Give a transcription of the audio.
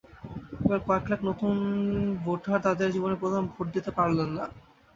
এবার কয়েক লাখ নতুন ভোটার তাঁদের জীবনের প্রথম ভোট দিতে পারলেন না।